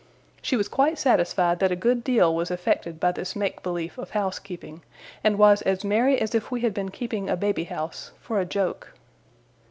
She was quite satisfied that a good deal was effected by this make belief of housekeeping; and was as merry as if we had been keeping a baby house, for a joke.